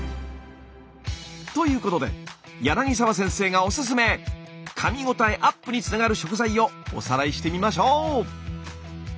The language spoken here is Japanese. ということで柳沢先生がおすすめかみごたえアップにつながる食材をおさらいしてみましょう！